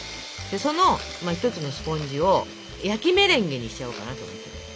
その１つのスポンジを焼きメレンゲにしちゃおうかなと思って。